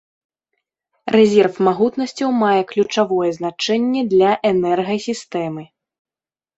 Рэзерв магутнасцяў мае ключавое значэнне для энергасістэмы.